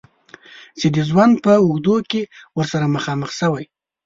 چې د ژوند په اوږدو کې ورسره مخامخ شوی.